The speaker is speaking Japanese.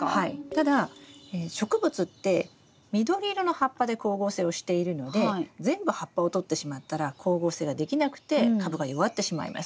ただ植物って緑色の葉っぱで光合成をしているので全部葉っぱをとってしまったら光合成ができなくて株が弱ってしまいます。